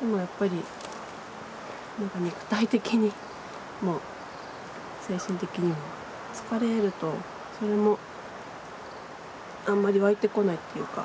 でもやっぱり肉体的にも精神的にも疲れるとそれもあんまり湧いてこないっていうか。